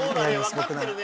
僕なら。